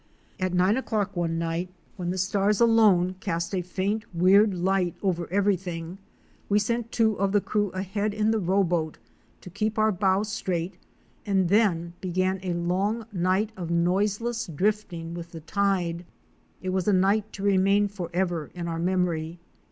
At nine o'clock one night, when the stars alone cast a faint 30 OUR SEARCH FOR A WILDERNESS. weird light over everything, we sent two of the crew ahead in the rowboat to keep our bow straight, and then began a long night of noiseless drifting with the tide. It was a night to remain forever in our memory.